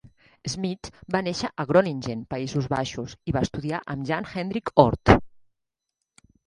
Schmidt va néixer a Groningen (Països Baixos) i va estudiar amb Jan Hendrik Oort.